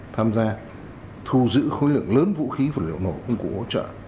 tham gia thu giữ khối lượng lớn vũ khí và liều nổ công cụ hỗ trợ